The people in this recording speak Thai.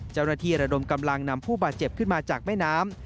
เจ้าหน้าที่ระดมกำลังนำผู้บาดเจ็บขึ้นมาจากแม่น้ำ